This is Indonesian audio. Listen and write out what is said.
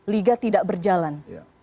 liga tidak berjalan